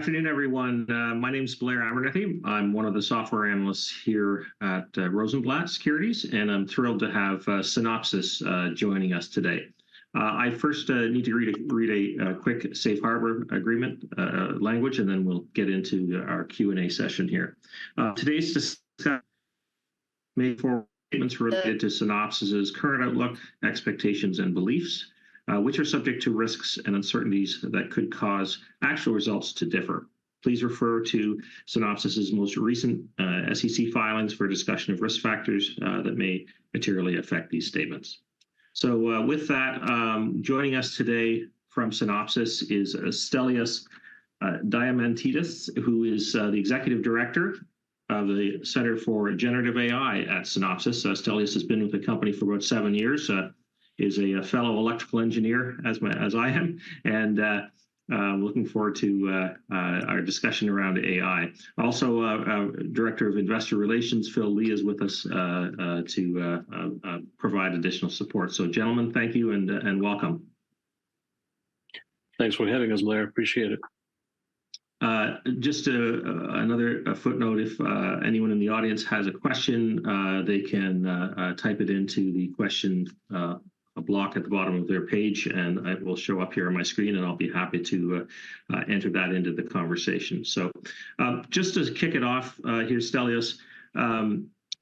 Good afternoon, everyone. My name's Blair Abernethy. I'm one of the software analysts here at Rosenblatt Securities, and I'm thrilled to have Synopsys joining us today. I first need to read a quick safe harbor agreement language, and then we'll get into our Q&A session here. Today's discussion may forward statements related to Synopsys' current outlook, expectations, and beliefs, which are subject to risks and uncertainties that could cause actual results to differ. Please refer to Synopsys' most recent SEC filings for a discussion of risk factors that may materially affect these statements. So, with that, joining us today from Synopsys is Stelios Diamantidis, who is the Executive Director of the Center for generative AI at Synopsys. Stelios has been with the company for about seven years, is a fellow electrical engineer, as I am, and looking forward to our discussion around AI. Also, Director of Investor Relations, Phil Lee, is with us to provide additional support. So gentlemen, thank you and welcome. Thanks for having us, Blair. Appreciate it. Just another footnote, if anyone in the audience has a question, they can type it into the question block at the bottom of their page, and it will show up here on my screen, and I'll be happy to enter that into the conversation. So, just to kick it off, here, Stelios,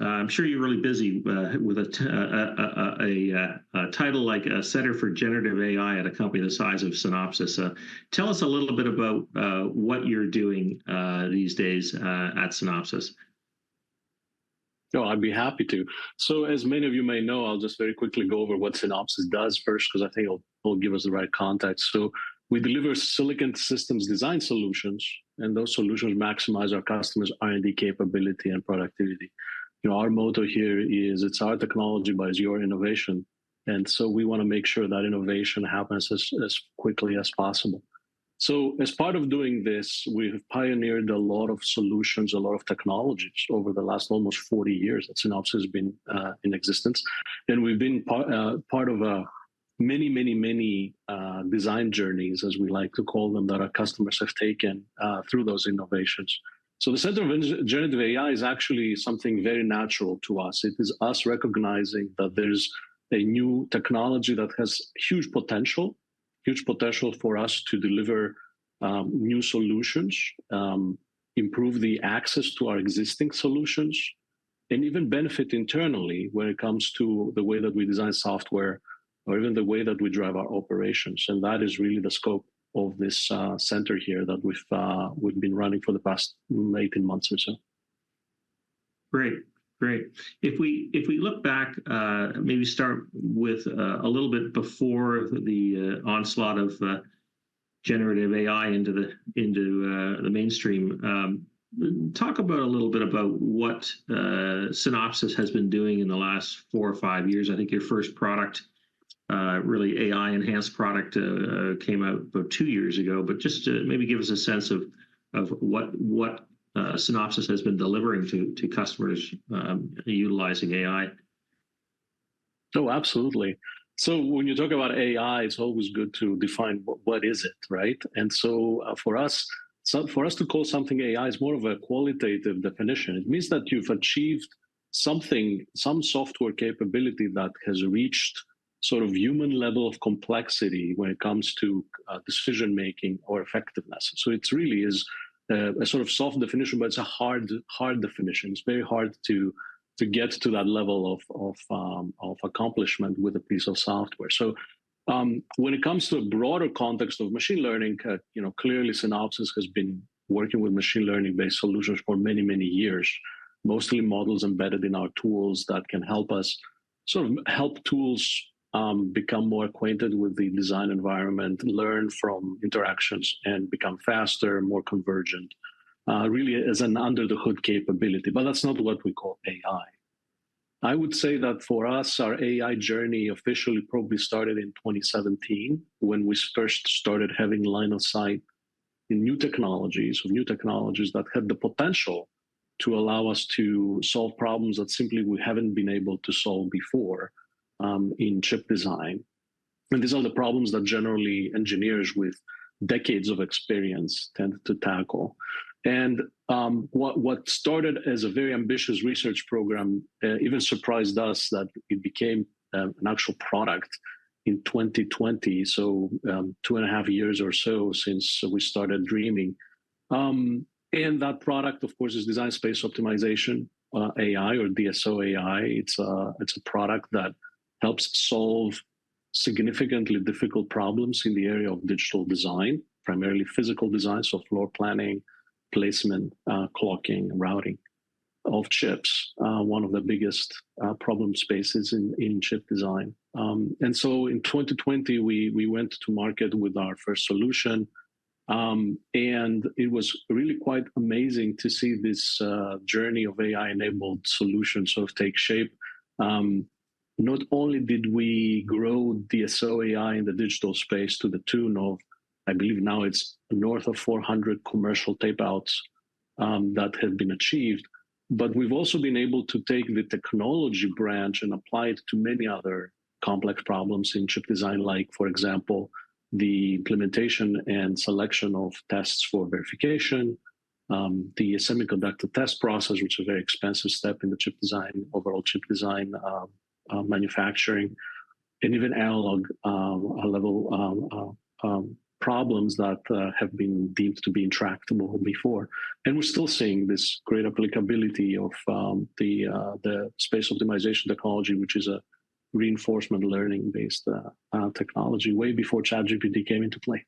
I'm sure you're really busy with a title like Center for Generative AI at a company the size of Synopsys. Tell us a little bit about what you're doing these days at Synopsys. Oh, I'd be happy to. So as many of you may know, I'll just very quickly go over what Synopsys does first, 'cause I think it'll, it'll give us the right context. So we deliver silicon systems design solutions, and those solutions maximize our customers' R&D capability and productivity. You know, our motto here is, "It's our technology, but it's your innovation," and so we wanna make sure that innovation happens as, as quickly as possible. So as part of doing this, we have pioneered a lot of solutions, a lot of technologies over the last almost 40 years that Synopsys has been in existence. And we've been part of many, many, many design journeys, as we like to call them, that our customers have taken through those innovations. So the Center for Generative AI is actually something very natural to us. It is us recognizing that there's a new technology that has huge potential, huge potential for us to deliver, new solutions, improve the access to our existing solutions, and even benefit internally when it comes to the way that we design software, or even the way that we drive our operations, and that is really the scope of this center here that we've been running for the past 18 months or so. Great. Great. If we, if we look back, maybe start with a little bit before the onslaught of Generative AI into the, into the mainstream, talk about a little bit about what Synopsys has been doing in the last four or five years. I think your first product, really AI-enhanced product, came out about two years ago, but just to maybe give us a sense of, of what, what Synopsys has been delivering to, to customers, utilizing AI. Oh, absolutely. So when you talk about AI, it's always good to define what, what is it, right? And so, for us, so for us to call something AI is more of a qualitative definition. It means that you've achieved something, some software capability that has reached sort of human level of complexity when it comes to, decision-making or effectiveness. So it's really is, a sort of soft definition, but it's a hard, hard definition. It's very hard to, to get to that level of, of, accomplishment with a piece of software. So, when it comes to a broader context of machine learning, you know, clearly Synopsys has been working with machine learning-based solutions for many, many years, mostly models embedded in our tools that can help us... sort of help tools become more acquainted with the design environment, learn from interactions, and become faster and more convergent, really as an under-the-hood capability, but that's not what we call AI. I would say that for us, our AI journey officially probably started in 2017, when we first started having line of sight in new technologies, or new technologies that had the potential to allow us to solve problems that simply we haven't been able to solve before, in chip design. And what started as a very ambitious research program even surprised us that it became an actual product in 2020, so 2.5 years or so since we started dreaming. And that product, of course, is Design Space Optimization AI or DSO.a.i. It's a product that helps solve significantly difficult problems in the area of digital design, primarily physical design, so floor planning, placement, clocking, and routing of chips, one of the biggest problem spaces in chip design. And so in 2020, we went to market with our first solution, and it was really quite amazing to see this journey of AI-enabled solutions sort of take shape. Not only did we grow DSO.a.i in the digital space to the tune of, I believe now it's north of 400 commercial tapeouts that have been achieved. But we've also been able to take the technology branch and apply it to many other complex problems in chip design, like, for example, the implementation and selection of tests for verification, the semiconductor test process, which is a very expensive step in the chip design, overall chip design, manufacturing, and even analog level problems that have been deemed to be intractable before. And we're still seeing this great applicability of the space optimization technology, which is a reinforcement learning-based technology, way before ChatGPT came into play.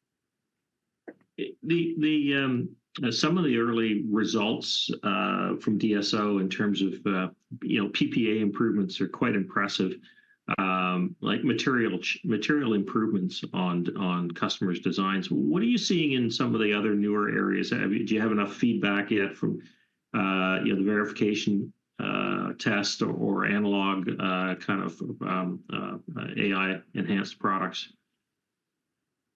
Some of the early results from DSO in terms of, you know, PPA improvements are quite impressive, like material improvements on customers' designs. What are you seeing in some of the other newer areas? Do you have enough feedback yet from, you know, the verification test or analog kind of AI-enhanced products?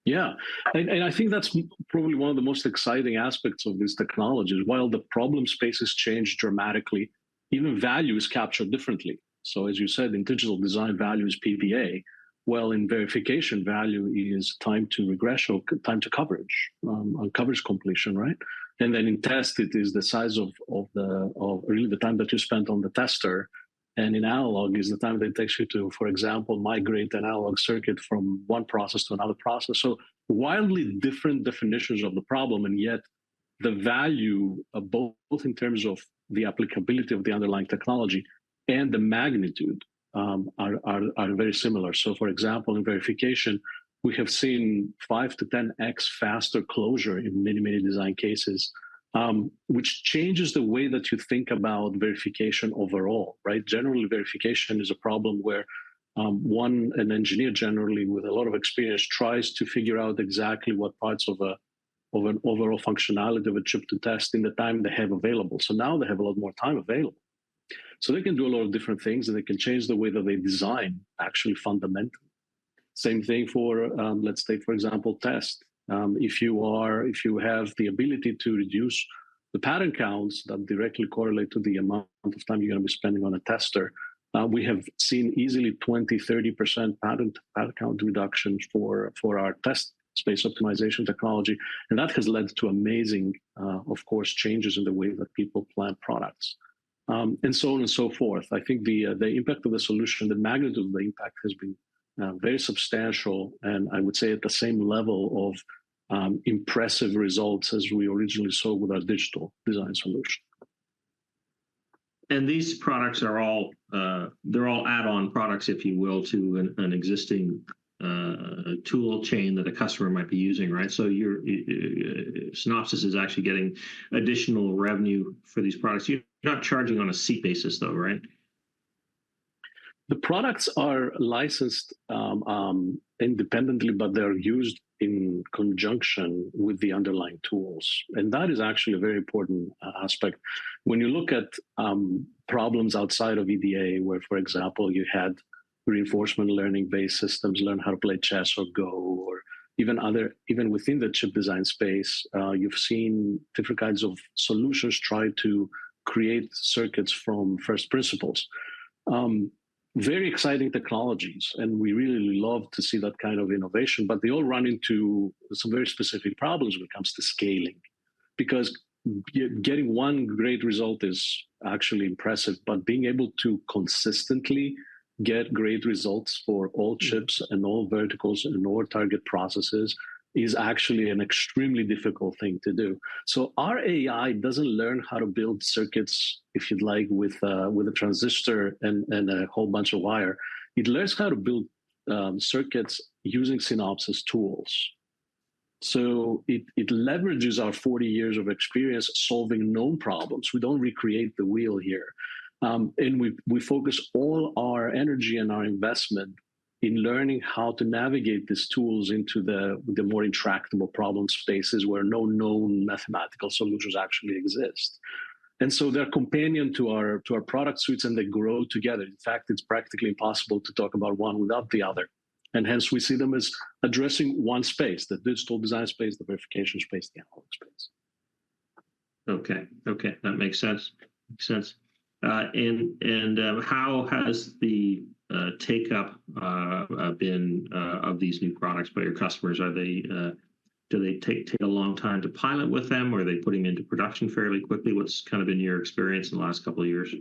Yeah. And I think that's probably one of the most exciting aspects of this technology, is while the problem space has changed dramatically, even value is captured differently. So as you said, in digital design, value is PPA. Well, in verification, value is time to regress or time to coverage, on coverage completion, right? And then in test, it is the size of really the time that you spent on the tester, and in analog, is the time that it takes you to, for example, migrate an analog circuit from one process to another process. So wildly different definitions of the problem, and yet the value of both, both in terms of the applicability of the underlying technology and the magnitude, are very similar. So, for example, in verification, we have seen 5-10x faster closure in many, many design cases, which changes the way that you think about verification overall, right? Generally, verification is a problem where an engineer, generally with a lot of experience, tries to figure out exactly what parts of an overall functionality of a chip to test in the time they have available. So now they have a lot more time available. So they can do a lot of different things, and they can change the way that they design, actually, fundamentally. Same thing for, let's take, for example, test. If you have the ability to reduce the pattern counts that directly correlate to the amount of time you're gonna be spending on a tester, we have seen easily 20%-30% pattern count reductions for our test space optimization technology, and that has led to amazing, of course, changes in the way that people plan products, and so on and so forth. I think the impact of the solution, the magnitude of the impact has been very substantial, and I would say at the same level of impressive results as we originally saw with our digital design solution. These products are all, they're all add-on products, if you will, to an existing tool chain that a customer might be using, right? So your Synopsys is actually getting additional revenue for these products. You're not charging on a seat basis, though, right? The products are licensed independently, but they're used in conjunction with the underlying tools, and that is actually a very important aspect. When you look at problems outside of EDA, where, for example, you had reinforcement learning-based systems learn how to play chess or go, or even within the chip design space, you've seen different kinds of solutions try to create circuits from first principles. Very exciting technologies, and we really love to see that kind of innovation, but they all run into some very specific problems when it comes to scaling. Because getting one great result is actually impressive, but being able to consistently get great results for all chips and all verticals and all target processes is actually an extremely difficult thing to do. So our AI doesn't learn how to build circuits, if you'd like, with a transistor and a whole bunch of wire. It learns how to build circuits using Synopsys tools. So it leverages our 40 years of experience solving known problems. We don't recreate the wheel here. And we focus all our energy and our investment in learning how to navigate these tools into the more intractable problem spaces, where no known mathematical solutions actually exist. And so they're companions to our product suites, and they grow together. In fact, it's practically impossible to talk about one without the other, and hence, we see them as addressing one space, the digital design space, the verification space, the analog space. Okay. Okay, that makes sense. Makes sense. And how has the take-up been of these new products by your customers? Are they... Do they take a long time to pilot with them, or are they putting into production fairly quickly? What's kind of been your experience in the last couple of years?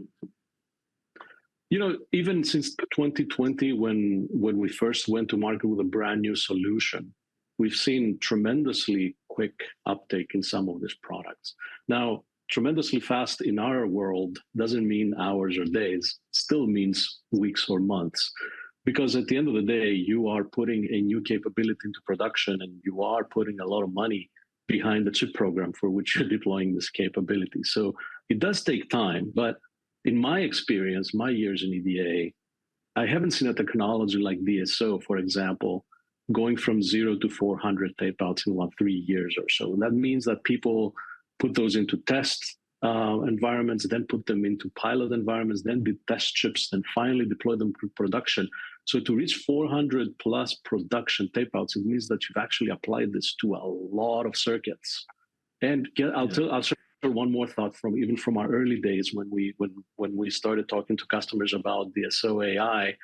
You know, even since 2020, when, when we first went to market with a brand-new solution, we've seen tremendously quick uptake in some of these products. Now, tremendously fast in our world doesn't mean hours or days, still means weeks or months. Because at the end of the day, you are putting a new capability into production, and you are putting a lot of money behind the chip program for which you're deploying this capability. So it does take time, but in my experience, my years in EDA, I haven't seen a technology like DSO, for example, going from zero to 400 tapeouts in, what, 3 years or so. That means that people put those into test environments, then put them into pilot environments, then do test chips, then finally deploy them to production. So to reach 400+ production tapeouts, it means that you've actually applied this to a lot of circuits. And I'll share one more thought from even our early days when we started talking to customers about the DSO.ai.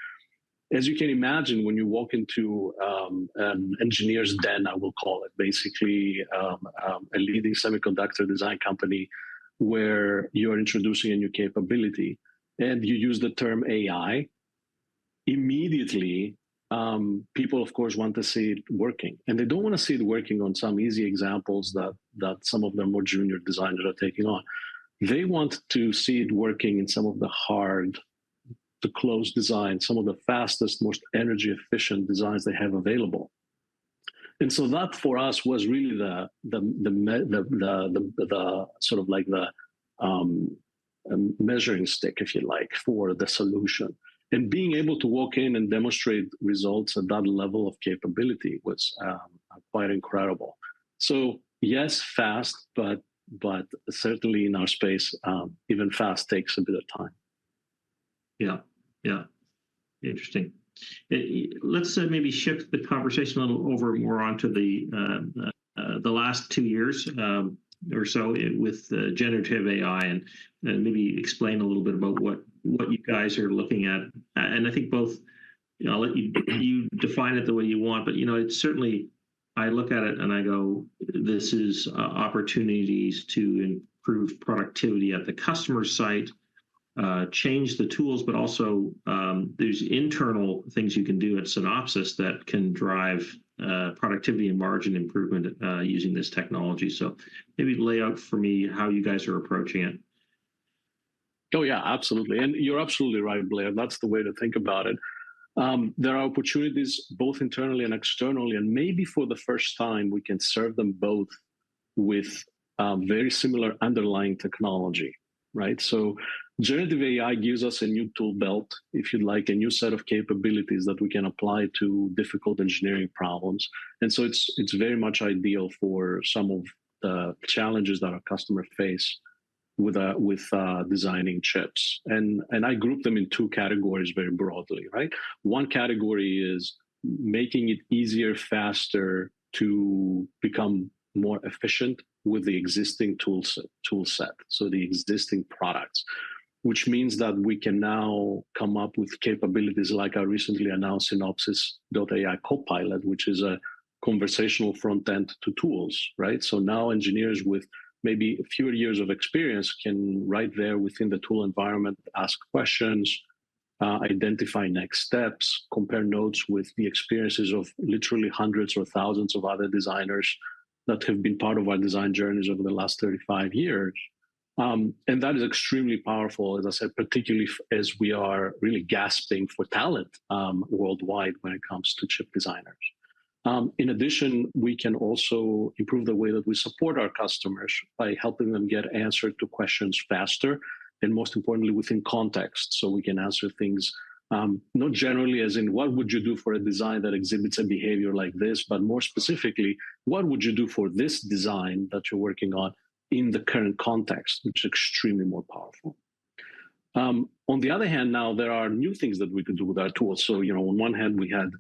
As you can imagine, when you walk into engineer's den, I will call it, basically a leading semiconductor design company, where you're introducing a new capability, and you use the term AI, immediately people, of course, want to see it working. And they don't wanna see it working on some easy examples that some of the more junior designers are taking on. They want to see it working in some of the hard-to-close designs, some of the fastest, most energy-efficient designs they have available. And so that, for us, was really the sort of like the measuring stick, if you like, for the solution. And being able to walk in and demonstrate results at that level of capability was quite incredible. So yes, fast, but certainly in our space, even fast takes a bit of time. Yeah. Yeah, interesting. Let's maybe shift the conversation a little over more onto the last two years or so with generative AI, and maybe explain a little bit about what you guys are looking at. And I think both, I'll let you define it the way you want, but you know, it's certainly... I look at it and I go, "This is opportunities to improve productivity at the customer site," change the tools, but also, there's internal things you can do at Synopsys that can drive productivity and margin improvement using this technology. So maybe lay out for me how you guys are approaching it. Oh, yeah, absolutely. And you're absolutely right, Blair, that's the way to think about it. There are opportunities both internally and externally, and maybe for the first time, we can serve them both with very similar underlying technology, right? So generative AI gives us a new tool belt, if you like, a new set of capabilities that we can apply to difficult engineering problems, and so it's very much ideal for some of the challenges that our customers face with designing chips. And I group them in two categories very broadly, right? One category is making it easier, faster to become more efficient with the existing tool set, so the existing products. Which means that we can now come up with capabilities like our recently announced Synopsys.ai Copilot, which is a conversational front end to tools, right? So now engineers with maybe fewer years of experience can, right there within the tool environment, ask questions, identify next steps, compare notes with the experiences of literally hundreds or thousands of other designers that have been part of our design journeys over the last 35 years. And that is extremely powerful, as I said, particularly as we are really gasping for talent, worldwide when it comes to chip designers. In addition, we can also improve the way that we support our customers by helping them get answer to questions faster, and most importantly, within context. So we can answer things, not generally as in, what would you do for a design that exhibits a behavior like this? But more specifically, what would you do for this design that you're working on in the current context? Which is extremely more powerful. On the other hand, now there are new things that we can do with our tools. So, you know, on one hand, we had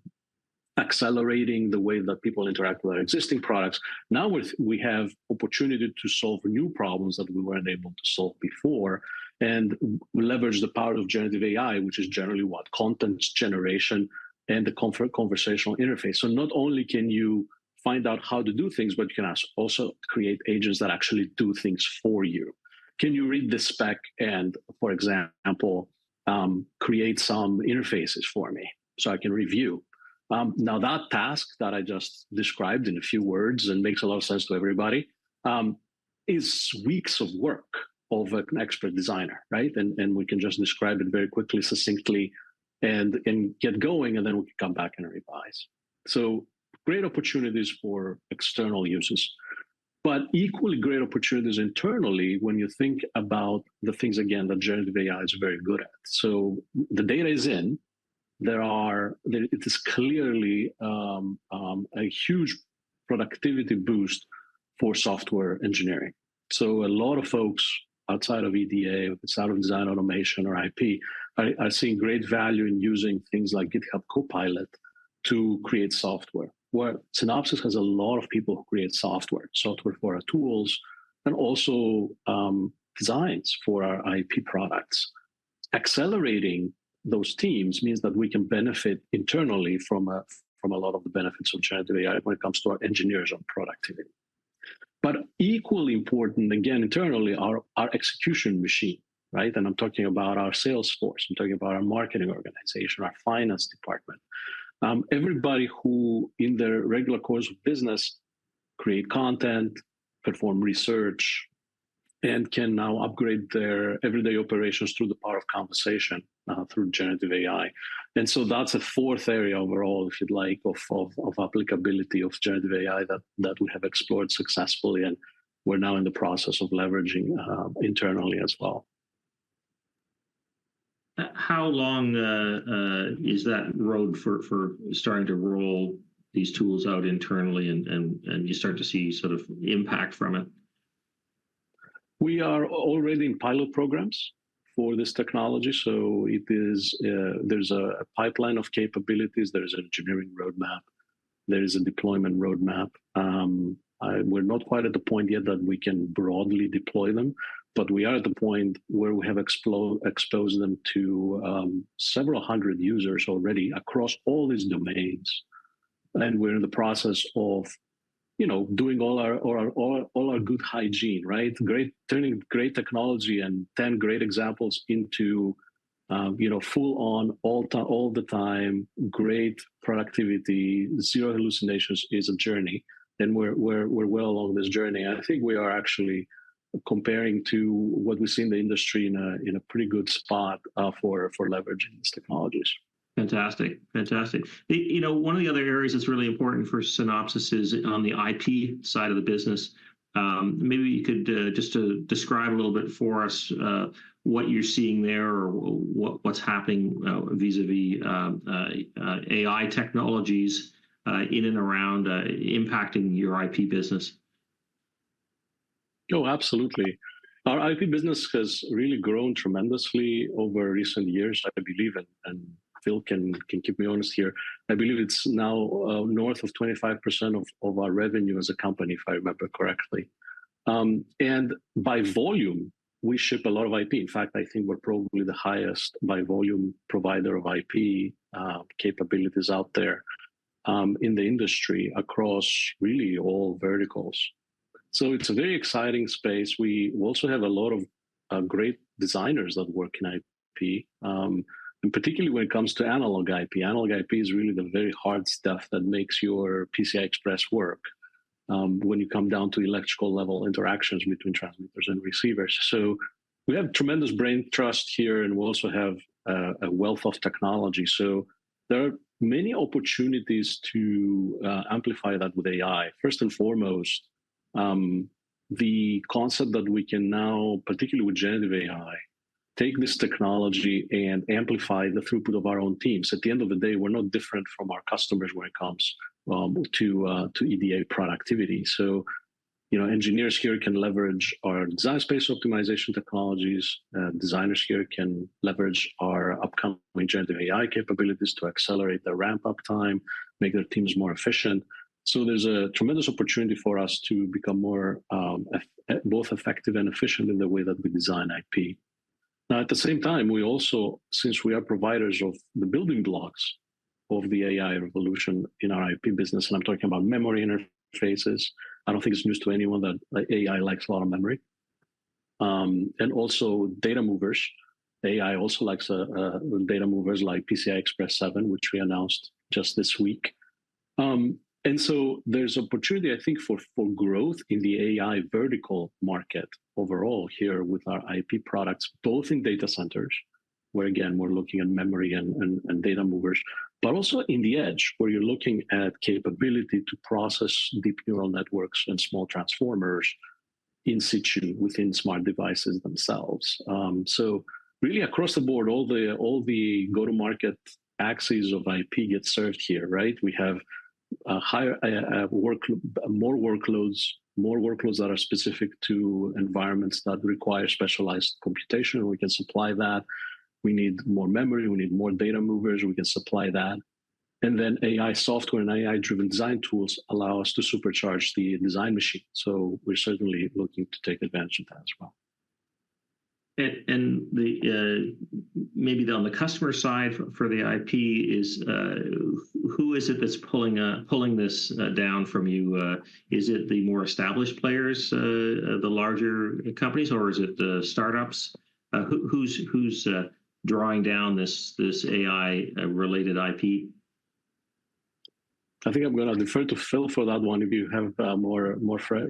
accelerating the way that people interact with our existing products. Now, we have opportunity to solve new problems that we weren't able to solve before and leverage the power of generative AI, which is generally what? Content generation and the conversational interface. So not only can you find out how to do things, but you can also create agents that actually do things for you. Can you read this spec and, for example, create some interfaces for me so I can review? Now, that task that I just described in a few words and makes a lot of sense to everybody is weeks of work of an expert designer, right? And we can just describe it very quickly, succinctly, and get going, and then we can come back and revise. So great opportunities for external users, but equally great opportunities internally when you think about the things, again, that generative AI is very good at. So the data is in. There are. There it is clearly a huge productivity boost for software engineering. So a lot of folks outside of EDA, outside of design automation or IP, are seeing great value in using things like GitHub Copilot to create software. Well, Synopsys has a lot of people who create software, software for our tools, and also designs for our IP products. Accelerating those teams means that we can benefit internally from a lot of the benefits of generative AI when it comes to our engineers on productivity. But equally important, again, internally, are our execution machine, right? And I'm talking about our sales force, I'm talking about our marketing organization, our finance department. Everybody who, in their regular course of business, create content, perform research, and can now upgrade their everyday operations through the power of conversation, through generative AI. And so that's a fourth area overall, if you'd like, of applicability of generative AI that we have explored successfully, and we're now in the process of leveraging, internally as well. How long is that road for starting to roll these tools out internally and you start to see sort of impact from it? ... We are already in pilot programs for this technology, so it is, there's a pipeline of capabilities, there is an engineering roadmap, there is a deployment roadmap. We're not quite at the point yet that we can broadly deploy them, but we are at the point where we have exposed them to several hundred users already across all these domains. We're in the process of, you know, doing all our good hygiene, right? Turning great technology and 10 great examples into, you know, full on, all the time, great productivity. Zero hallucinations is a journey, and we're well along this journey. I think we are actually comparing to what we see in the industry in a pretty good spot for leveraging these technologies. Fantastic. Fantastic. You know, one of the other areas that's really important for Synopsys is on the IP side of the business. Maybe you could just describe a little bit for us what you're seeing there or what's happening vis-a-vis AI technologies in and around impacting your IP business. Oh, absolutely. Our IP business has really grown tremendously over recent years, I believe, and Phil can keep me honest here. I believe it's now north of 25% of our revenue as a company, if I remember correctly. By volume, we ship a lot of IP. In fact, I think we're probably the highest by volume provider of IP capabilities out there in the industry across really all verticals. It's a very exciting space. We also have a lot of great designers that work in IP. Particularly when it comes to analog IP, analog IP is really the very hard stuff that makes your PCI Express work when you come down to electrical level interactions between transmitters and receivers. So we have tremendous brain trust here, and we also have a wealth of technology. So there are many opportunities to amplify that with AI. First and foremost, the concept that we can now, particularly with generative AI, take this technology and amplify the throughput of our own teams. At the end of the day, we're no different from our customers when it comes to EDA productivity. So, you know, engineers here can leverage our design space optimization technologies, designers here can leverage our upcoming generative AI capabilities to accelerate their ramp-up time, make their teams more efficient. So there's a tremendous opportunity for us to become more both effective and efficient in the way that we design IP. Now, at the same time, we also since we are providers of the building blocks of the AI revolution in our IP business, and I'm talking about memory interfaces. I don't think it's news to anyone that, like, AI likes a lot of memory. And also data movers. AI also likes data movers like PCI Express 7, which we announced just this week. And so there's opportunity, I think, for growth in the AI vertical market overall here with our IP products, both in data centers, where again, we're looking at memory and data movers. But also in the edge, where you're looking at capability to process deep neural networks and small transformers in situ within smart devices themselves. So really across the board, all the go-to-market axes of IP get served here, right? We have a higher workload, more workloads that are specific to environments that require specialized computation, and we can supply that. We need more memory, we need more data movers, we can supply that. And then AI software and AI-driven design tools allow us to supercharge the design machine, so we're certainly looking to take advantage of that as well. Maybe on the customer side for the IP, who is it that's pulling this down from you? Is it the more established players, the larger companies, or is it the startups? Who's drawing down this AI-related IP? I think I'm gonna defer to Phil for that one. If you have more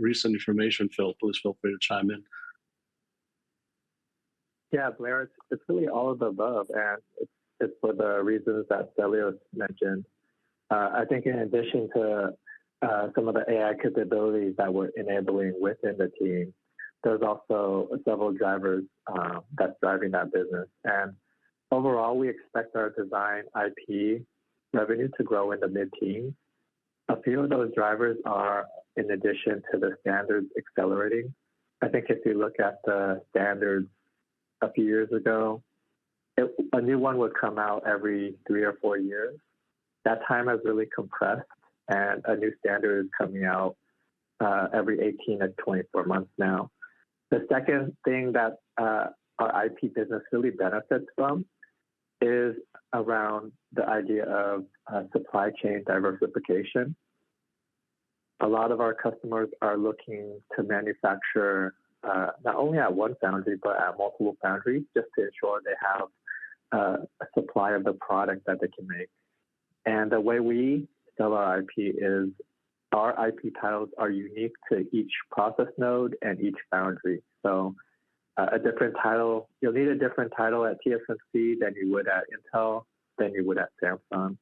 recent information, Phil, please feel free to chime in. Yeah, Blair, it's really all of the above, and it's for the reasons that Stelios mentioned. I think in addition to some of the AI capabilities that we're enabling within the team, there's also several drivers that's driving that business. And overall, we expect our design IP revenue to grow in the mid-teens. A few of those drivers are in addition to the standards accelerating. I think if you look at the standards a few years ago, it, a new one would come out every 3 or 4 years. That time has really compressed, and a new standard is coming out every 18-24 months now. The second thing that our IP business really benefits from is around the idea of supply chain diversification. A lot of our customers are looking to manufacture, not only at one foundry, but at multiple foundries, just to ensure they have a supply of the product that they can make. And the way we sell our IP is our IP titles are unique to each process node and each foundry. So, a different title. You'll need a different title at TSMC than you would at Intel, than you would at Samsung.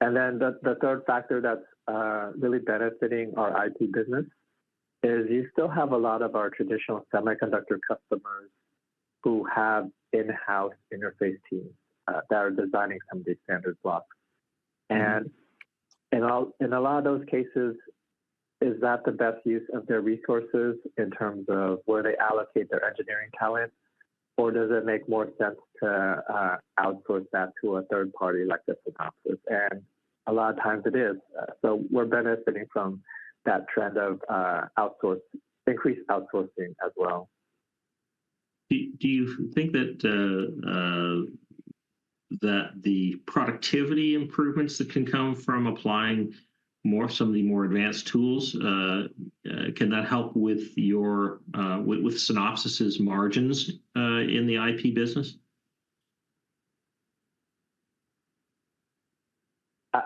And then the third factor that's really benefiting our IP business is you still have a lot of our traditional semiconductor customers who have in-house interface teams that are designing some of these standard blocks. In a lot of those cases, is that the best use of their resources in terms of where they allocate their engineering talent, or does it make more sense to outsource that to a third party, like Synopsys? A lot of times it is. So we're benefiting from that trend of increased outsourcing as well. Do you think that the productivity improvements that can come from applying some of the more advanced tools, can that help with your, with Synopsys' margins in the IP business?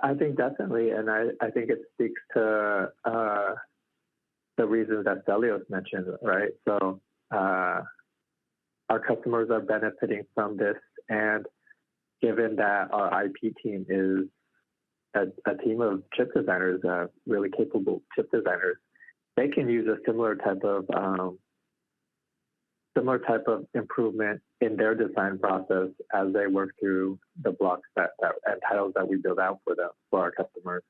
I think definitely, and I think it speaks to the reasons that Stelios mentioned, right? So, our customers are benefiting from this, and given that our IP team is a team of chip designers, really capable chip designers, they can use a similar type of improvement in their design process as they work through the blocks and tiles that we build out for them, for our customers.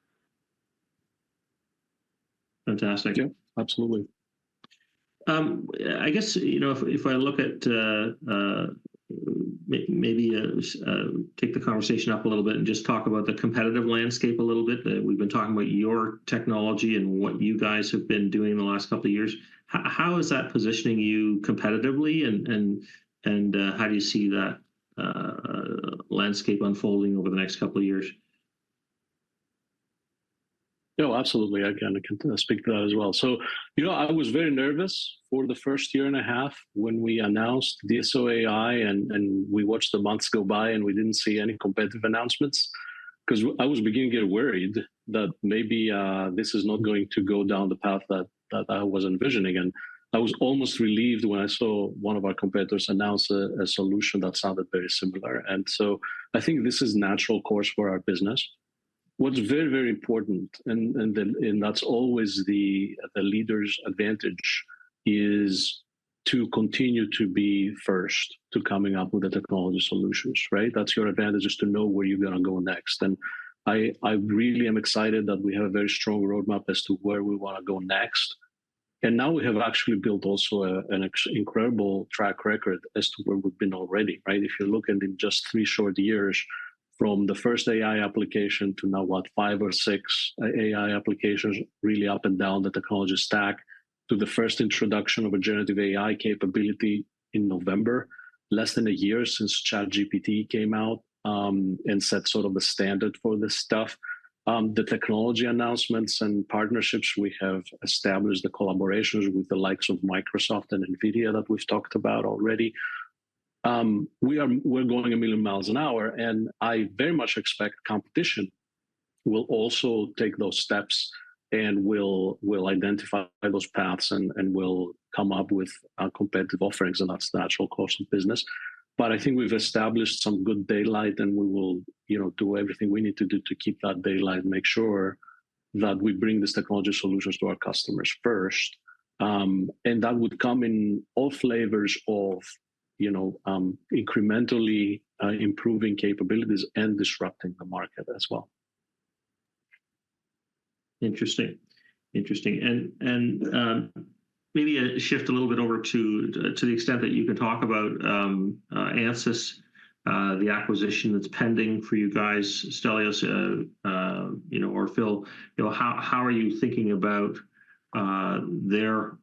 Fantastic. Yeah, absolutely. I guess, you know, if I look at, maybe, take the conversation up a little bit and just talk about the competitive landscape a little bit. We've been talking about your technology and what you guys have been doing in the last couple of years. How is that positioning you competitively, and how do you see that landscape unfolding over the next couple of years? No, absolutely, I can speak to that as well. So, you know, I was very nervous for the first year and a half when we announced DSO.ai, and we watched the months go by, and we didn't see any competitive announcements, 'cause I was beginning to get worried that maybe this is not going to go down the path that I was envisioning. And I was almost relieved when I saw one of our competitors announce a solution that sounded very similar. And so I think this is natural course for our business. What's very, very important, and that's always the leader's advantage, is to continue to be first to coming up with the technology solutions, right? That's your advantage, is to know where you're gonna go next. I really am excited that we have a very strong roadmap as to where we wanna go next. Now we have actually built also an incredible track record as to where we've been already, right? If you look, and in just three short years, from the first AI application to now, what? Five or six AI applications, really up and down the technology stack, to the first introduction of a generative AI capability in November, less than a year since ChatGPT came out, and set sort of the standard for this stuff. The technology announcements and partnerships we have established, the collaborations with the likes of Microsoft and NVIDIA that we've talked about already. We're going a million miles an hour, and I very much expect competition will also take those steps and will identify those paths and will come up with competitive offerings, and that's the natural course of business. But I think we've established some good daylight, and we will, you know, do everything we need to do to keep that daylight and make sure that we bring these technology solutions to our customers first. And that would come in all flavors of, you know, incrementally improving capabilities and disrupting the market as well. Interesting. Interesting, and maybe a shift a little bit over to the extent that you can talk about Ansys, the acquisition that's pending for you guys. Stelios, you know, or Phil, you know, how are you thinking about their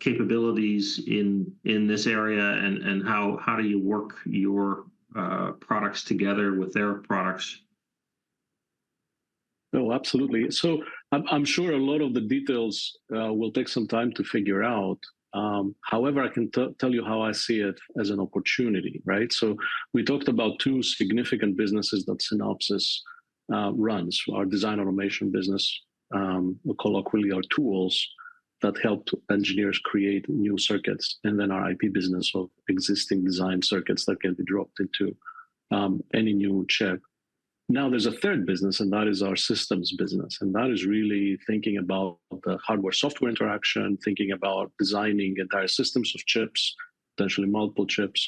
capabilities in this area, and how do you work your products together with their products? Oh, absolutely. So I'm sure a lot of the details will take some time to figure out. However, I can tell you how I see it as an opportunity, right? So we talked about two significant businesses that Synopsys runs. Our design automation business, colloquially our tools, that help engineers create new circuits, and then our IP business of existing design circuits that can be dropped into any new chip. Now, there's a third business, and that is our systems business, and that is really thinking about the hardware-software interaction, thinking about designing entire systems of chips, potentially multiple chips,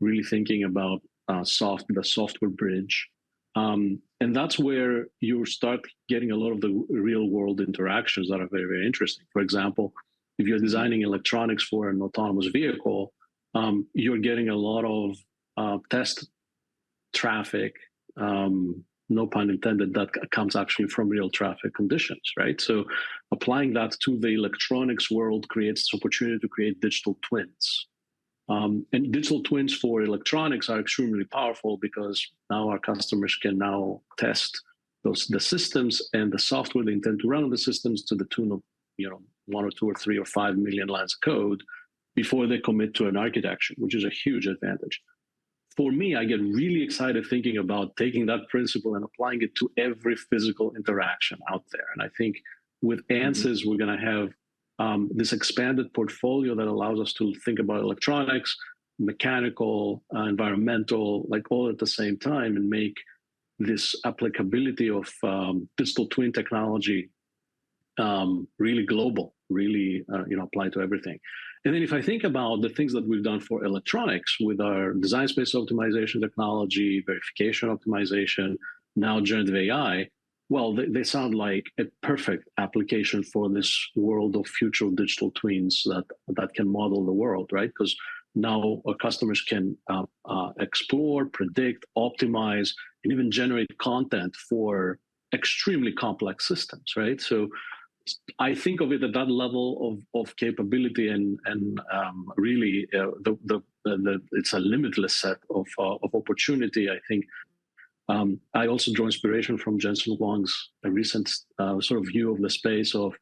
really thinking about the software bridge. And that's where you start getting a lot of the real-world interactions that are very, very interesting. For example, if you're designing electronics for an autonomous vehicle, you're getting a lot of test traffic, no pun intended, that comes actually from real traffic conditions, right? So applying that to the electronics world creates this opportunity to create digital twins. And digital twins for electronics are extremely powerful because now our customers can now test the systems and the software they intend to run on the systems to the tune of, you know, 1 or 2 or 3 or 5 million lines of code before they commit to an architecture, which is a huge advantage. For me, I get really excited thinking about taking that principle and applying it to every physical interaction out there. And I think with Ansys, we're gonna have, this expanded portfolio that allows us to think about electronics, mechanical, environmental, like, all at the same time, and make this applicability of, digital twin technology really global, really, you know, apply to everything. And then if I think about the things that we've done for electronics with our design space optimization technology, verification optimization, now generative AI, well, they sound like a perfect application for this world of future digital twins that can model the world, right? Because now our customers can explore, predict, optimize, and even generate content for extremely complex systems, right? So I think of it at that level of capability and, really, the, it's a limitless set of opportunity, I think. I also draw inspiration from Jensen Huang's recent sort of view of the space of,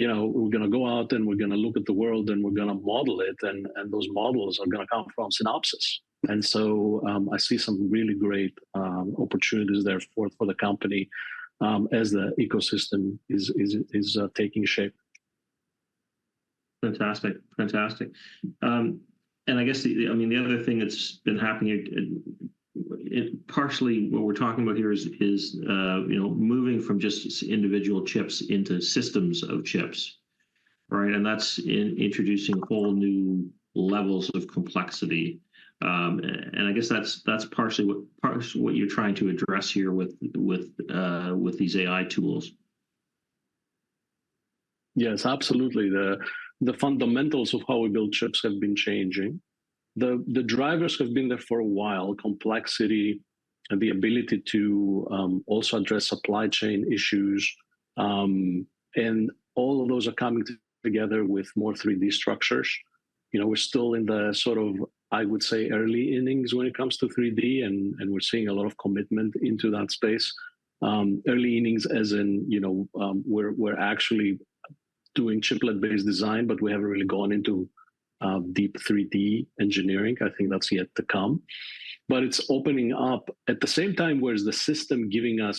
you know, we're gonna go out, and we're gonna look at the world, and we're gonna model it, and those models are gonna come from Synopsys. And so, I see some really great opportunities there for the company, as the ecosystem is taking shape. Fantastic. Fantastic. And I guess the, the, I mean, the other thing that's been happening, it, it, partially what we're talking about here is, is, you know, moving from just individual chips into systems of chips, right? And that's introducing whole new levels of complexity. And I guess that's, that's partially what you're trying to address here with, with, with these AI tools. Yes, absolutely. The fundamentals of how we build chips have been changing. The drivers have been there for a while, complexity, and the ability to also address supply chain issues. And all of those are coming together with more 3D structures. You know, we're still in the sort of, I would say, early innings when it comes to 3D, and we're seeing a lot of commitment into that space. Early innings, as in, you know, we're actually doing chiplet-based design, but we haven't really gone into deep 3D engineering. I think that's yet to come. But it's opening up... At the same time, where is the system giving us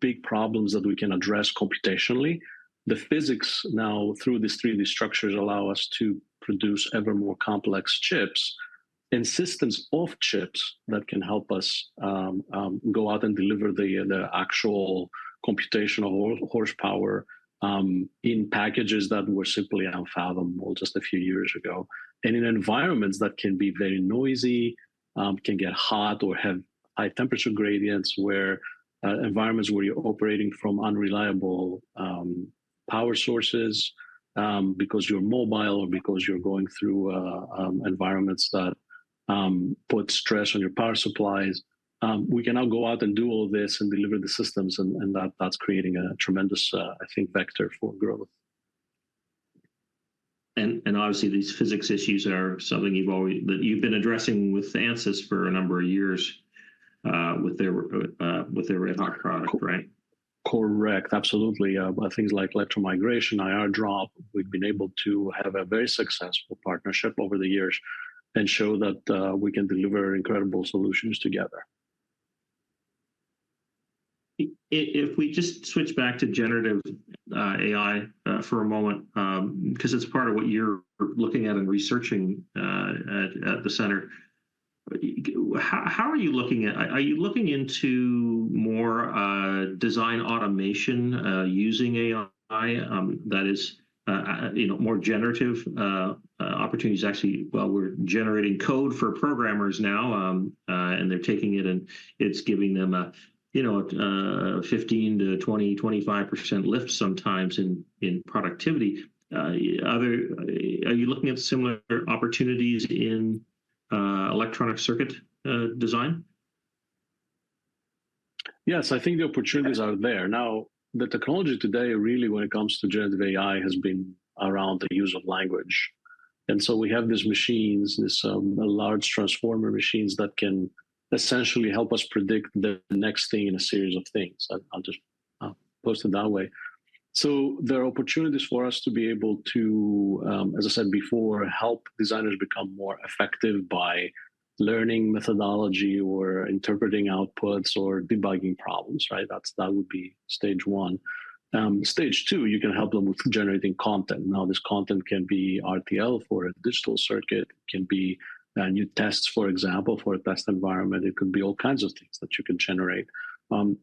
big problems that we can address computationally? The physics now, through these 3D structures, allow us to produce ever more complex chips and systems of chips that can help us go out and deliver the actual computational horsepower in packages that were simply unfathomable just a few years ago. And in environments that can be very noisy, can get hot or have high temperature gradients, where environments where you're operating from unreliable power sources, because you're mobile or because you're going through environments that put stress on your power supplies. We can now go out and do all this and deliver the systems, and that's creating a tremendous, I think, vector for growth. Obviously, these physics issues are something you've already—that you've been addressing with Ansys for a number of years, with their Ansys product, right? Correct. Absolutely. With things like electromigration, IR drop, we've been able to have a very successful partnership over the years and show that, we can deliver incredible solutions together. If we just switch back to generative AI for a moment, because it's part of what you're looking at and researching at the center. How are you looking at... Are you looking into more design automation using AI? That is, you know, more generative opportunities. Actually, well, we're generating code for programmers now, and they're taking it, and it's giving them a, you know, 15%-25% lift sometimes in productivity. Are you looking at similar opportunities in electronic circuit design? Yes, I think the opportunities are there. Now, the technology today, really when it comes to generative AI, has been around the use of language. And so we have these machines, these large transformer machines that can essentially help us predict the next thing in a series of things. I'll just put it that way. So there are opportunities for us to be able to, as I said before, help designers become more effective by learning methodology or interpreting outputs or debugging problems, right? That would be stage one. Stage two, you can help them with generating content. Now, this content can be RTL for a digital circuit, it can be new tests, for example, for a test environment. It could be all kinds of things that you can generate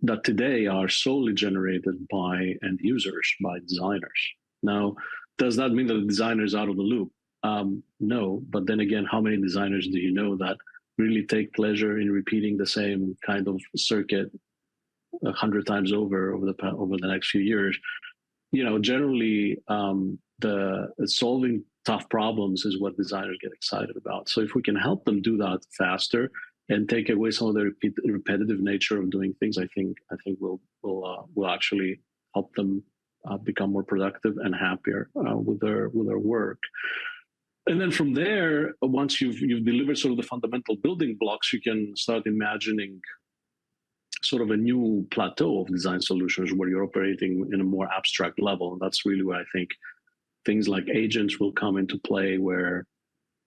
that today are solely generated by end users, by designers. Now, does that mean that the designer is out of the loop? No, but then again, how many designers do you know that really take pleasure in repeating the same kind of circuit 100 times over, over the next few years? You know, generally, solving tough problems is what designers get excited about. So if we can help them do that faster and take away some of the repetitive nature of doing things, I think we'll actually help them become more productive and happier with their work. And then from there, once you've delivered sort of the fundamental building blocks, you can start imagining sort of a new plateau of design solutions, where you're operating in a more abstract level. And that's really where I think things like agents will come into play, where,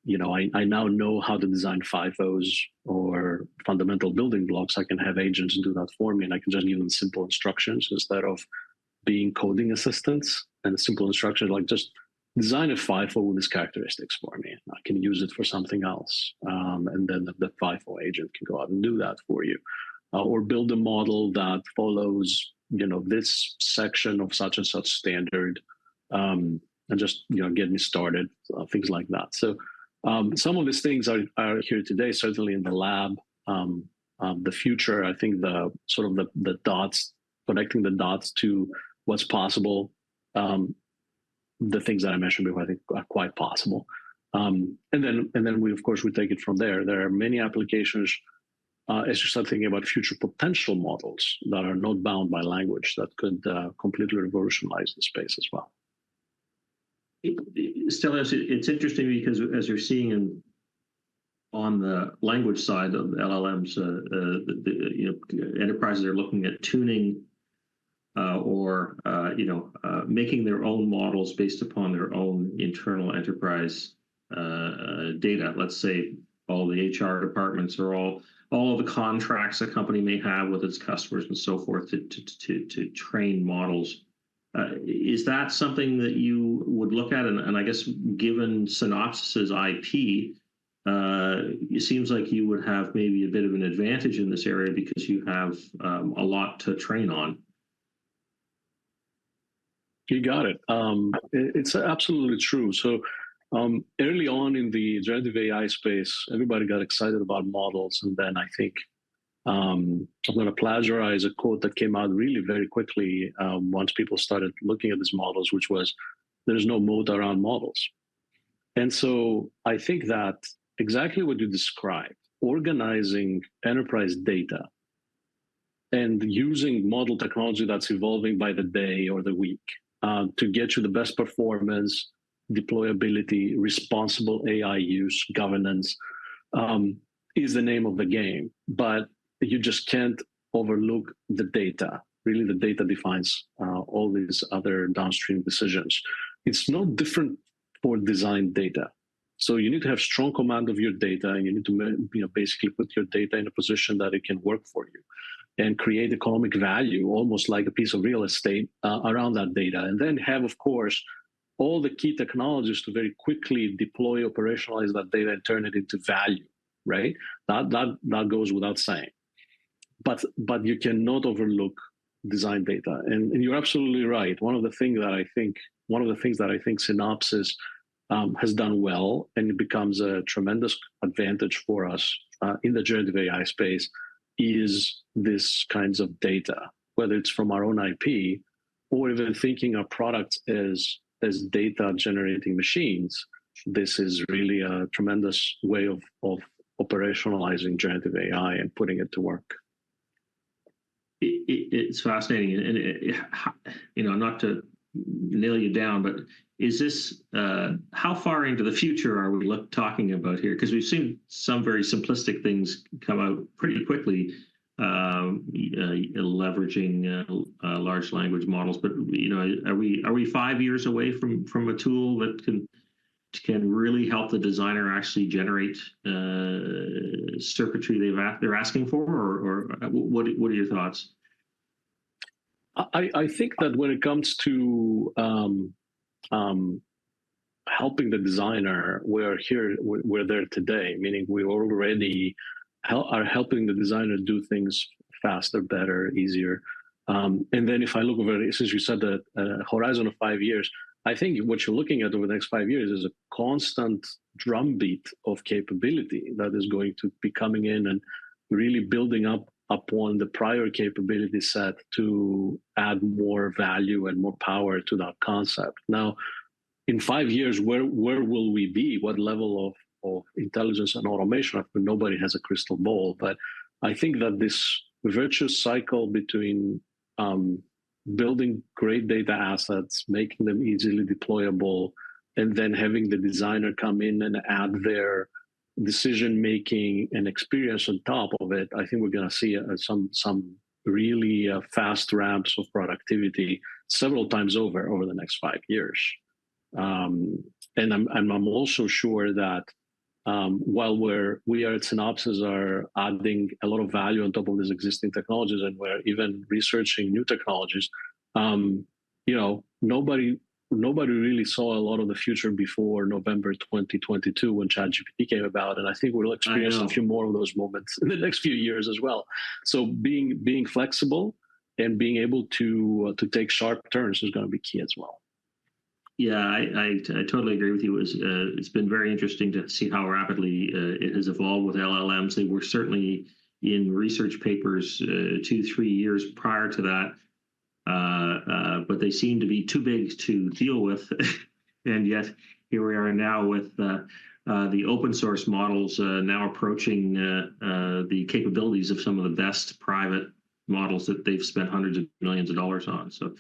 you know, I, I now know how to design FIFOs or fundamental building blocks. I can have agents do that for me, and I can just give them simple instructions instead of being coding assistants. And simple instructions, like, "Just design a FIFO with these characteristics for me. I can use it for something else." And then the, the FIFO agent can go out and do that for you, or build a model that follows, you know, this section of such and such standard, and just, you know, getting started, things like that. So, some of these things are here today, certainly in the lab. The future, I think, sort of connecting the dots to what's possible, the things that I mentioned before I think are quite possible. And then we, of course, take it from there. There are many applications, as you're thinking about future potential models that are not bound by language, that could completely revolutionize the space as well. Still, it's interesting because as you're seeing in, on the language side of LLMs, the you know, enterprises are looking at tuning, or you know, making their own models based upon their own internal enterprise data. Let's say all the HR departments or all the contracts a company may have with its customers and so forth, to train models. Is that something that you would look at? And I guess, given Synopsys' IP, it seems like you would have maybe a bit of an advantage in this area because you have a lot to train on. You got it. It's absolutely true. So, early on in the generative AI space, everybody got excited about models, and then I think... I'm gonna plagiarise a quote that came out really very quickly, once people started looking at these models, which was, "There's no way around models." And so I think that exactly what you described, organizing enterprise data and using model technology that's evolving by the day or the week, to get you the best performance, deployability, responsible AI use, governance, is the name of the game, but you just can't overlook the data. Really, the data defines all these other downstream decisions. It's no different for design data. So you need to have strong command of your data, and you need to—you know, basically put your data in a position that it can work for you, and create economic value, almost like a piece of real estate around that data. And then have, of course, all the key technologies to very quickly deploy, operationalize that data, and turn it into value, right? That goes without saying. But you cannot overlook design data. You're absolutely right, one of the things that I think Synopsys has done well, and it becomes a tremendous advantage for us in the generative AI space, is these kinds of data, whether it's from our own IP or even thinking of products as data-generating machines. This is really a tremendous way of operationalizing generative AI and putting it to work. It's fascinating, and, you know, not to nail you down, but is this... How far into the future are we talking about here? Because we've seen some very simplistic things come out pretty quickly, leveraging large language models. But, you know, are we, are we five years away from, from a tool that can, can really help the designer actually generate, circuitry they're asking for, or, or what, what are your thoughts? I think that when it comes to helping the designer, we're there today, meaning we already are helping the designer do things faster, better, easier. And then if I look over, as you said, a horizon of five years, I think what you're looking at over the next five years is a constant drumbeat of capability that is going to be coming in and really building up upon the prior capability set to add more value and more power to that concept. Now, in five years, where will we be? What level of intelligence and automation? Of course, nobody has a crystal ball, but I think that this virtuous cycle between, building great data assets, making them easily deployable, and then having the designer come in and add their decision-making and experience on top of it, I think we're gonna see, some, some really, fast ramps of productivity several times over, over the next five years. And I'm, and I'm also sure that, while we at Synopsys are adding a lot of value on top of these existing technologies, and we're even researching new technologies, you know, nobody, nobody really saw a lot of the future before November 2022, when ChatGPT came about- I know. and I think we'll experience a few more of those moments in the next few years as well. So being flexible and being able to take sharp turns is gonna be key as well. Yeah, I totally agree with you. It's been very interesting to see how rapidly it has evolved with LLMs. They were certainly in research papers two, three years prior to that. But they seemed to be too big to deal with and yet here we are now with the open-source models now approaching the capabilities of some of the best private models that they've spent $hundreds of millions on. So,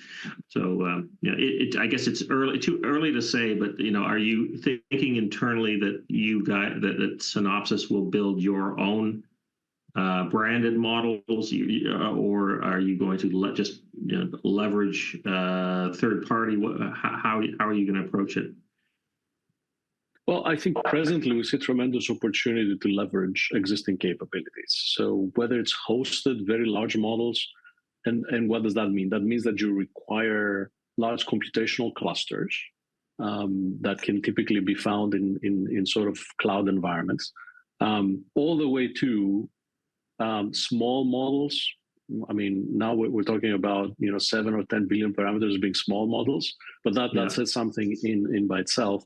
yeah, I guess it's early, too early to say, but you know, are you thinking internally that that Synopsys will build your own branded models or are you going to just you know, leverage third party? How, how are you gonna approach it? Well, I think presently we see tremendous opportunity to leverage existing capabilities. So whether it's hosted very large models. And what does that mean? That means that you require large computational clusters that can typically be found in sort of cloud environments. All the way to small models, I mean, now we're talking about, you know, 7 or 10 billion parameters being small models- Yeah... but that says something in by itself.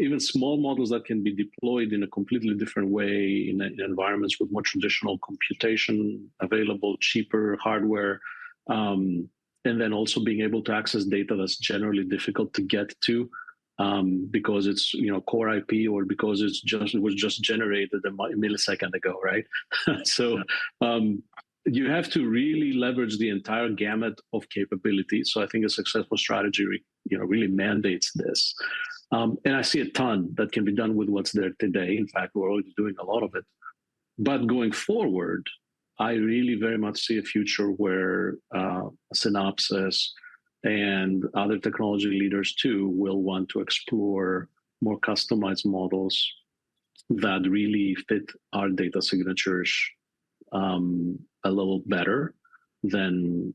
Even small models that can be deployed in a completely different way, in environments with more traditional computation available, cheaper hardware. And then also being able to access data that's generally difficult to get to, because it's, you know, core IP or because it was just generated a millisecond ago, right? Yeah. So, you have to really leverage the entire gamut of capabilities, so I think a successful strategy, you know, really mandates this. And I see a ton that can be done with what's there today. In fact, we're already doing a lot of it. But going forward, I really very much see a future where Synopsys and other technology leaders, too, will want to explore more customized models that really fit our data signatures a little better than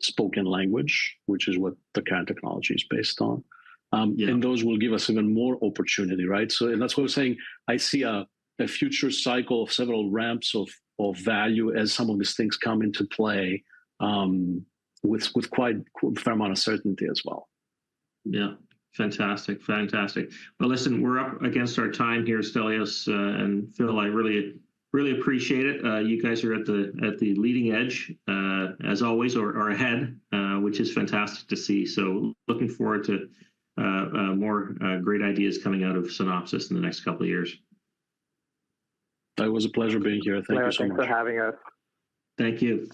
spoken language, which is what the current technology is based on. Yeah... and those will give us even more opportunity, right? And that's what I'm saying. I see a future cycle of several ramps of value as some of these things come into play, with quite a fair amount of certainty as well. Yeah. Fantastic. Fantastic. Well, listen, we're up against our time here, Stelios, and Phil, I really, really appreciate it. You guys are at the leading edge, as always, or ahead, which is fantastic to see. So looking forward to more great ideas coming out of Synopsys in the next couple of years. It was a pleasure being here. Thank you so much. Yeah, thanks for having us. Thank you.